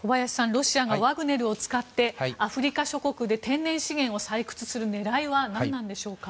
ロシアがワグネルを使ってアフリカ諸国で天然資源を採掘する狙いは何なんでしょうか。